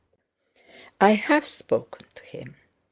"I've spoken to him.